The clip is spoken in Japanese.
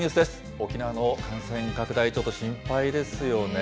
沖縄の感染拡大、ちょっと心配ですよね。